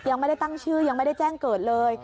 ยังไม่ได้ตั้งชื่อยังไม่ได้แจ้งเกิดเลย